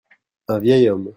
Un vieil homme.